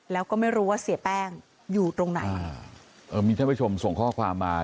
แล้วก็ไม่รู้ว่าเสียแป้งอยู่ตรงไหนเอ่อมีท่านผู้ชมส่งข้อความมา